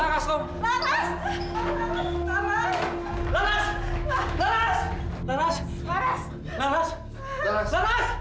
dinjal yudi bermasalah